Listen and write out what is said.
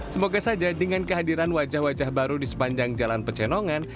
semoga saja dengan kehadiran wajah wajah baru di sepanjang jalan pecenongan